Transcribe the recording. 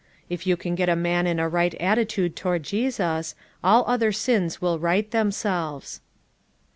If you can get a man in a right at titude toward Jesus, all other sins will right themselves."